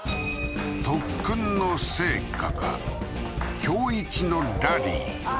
特訓の成果か今日一のラリーあ